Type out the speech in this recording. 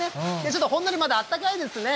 ちょっとほんのりまだあったかいですね。